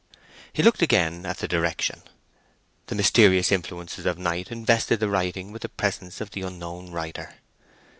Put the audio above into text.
He looked again at the direction. The mysterious influences of night invested the writing with the presence of the unknown writer.